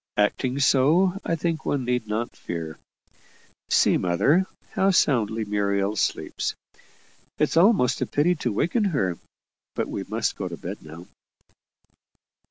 Acting so, I think one need not fear. See, mother, how soundly Muriel sleeps. It's almost a pity to waken her but we must go to bed now."